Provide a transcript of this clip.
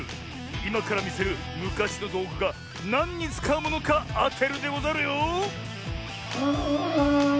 いまからみせるむかしのどうぐがなんにつかうものかあてるでござるよ。